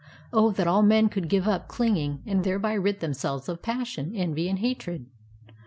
Oh, that all men could give up clinging and thereby rid themselves of passion, en\y, and hatred!"